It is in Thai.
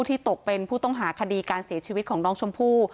ที่ตกเป็นผู้ต้องหาคดีการเสียชีวิตของน้องชมพู่